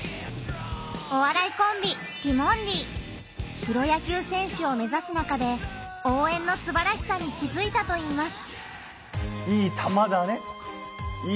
お笑いコンビプロ野球選手を目指す中で「応援」のすばらしさに気づいたといいます。